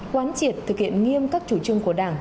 quán triệt thực hiện nghiêm các chủ trương của đảng